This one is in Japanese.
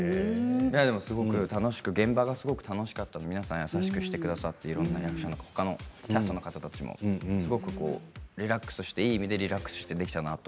現場がすごく楽しかったので皆さん、優しくしてくださってキャストの方たちもすごくリラックスしていい意味でリラックスしてできたなと。